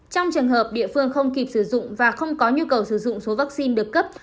trong trường hợp địa phương không kịp sử dụng và không có nhu cầu sử dụng số vaccine được cấp